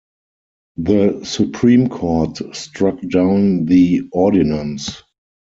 The Supreme Court struck down the ordinance.